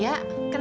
aku mau pergi